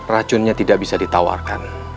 racunnya tidak bisa ditawarkan